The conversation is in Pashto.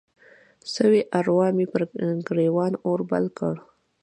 سوي اروا مې پر ګریوان اور بل کړ